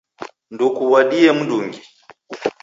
Ndukuw'adie mndungi